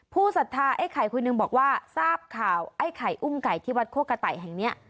ศรัทธาไอ้ไข่คนหนึ่งบอกว่าทราบข่าวไอ้ไข่อุ้มไก่ที่วัดโคกะไต่แห่งนี้